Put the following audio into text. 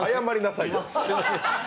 すいません